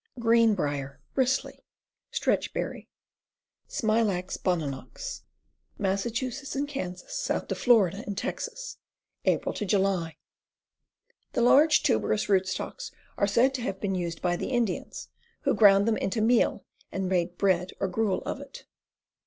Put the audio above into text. Greenbrier, Bristly. Stretch berry. Smilax Bona nox. 238 CAMPING AND WOODCRAFT Thickets. Mass. and Kansas, south to Fla. and Texas. Apr July. The large, tuberous rootstocks are said to have been used by the Indians, who ground them into meal and made bread or gruel of it.